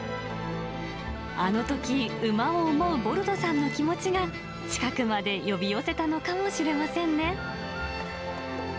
あのとき、馬を思うボルドさんの気持ちが、近くまで呼び寄せたのかもしれませんね。